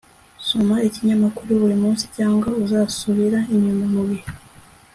soma ikinyamakuru buri munsi, cyangwa uzasubira inyuma mubihe